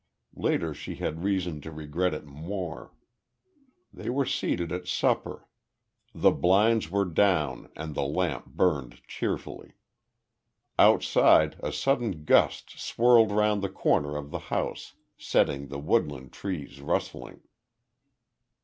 Later she had reason to regret it more. They were seated at supper. The blinds were down and the lamp burned cheerfully. Outside, a sudden gust swirled round the corner of the house, setting the woodland trees rustling.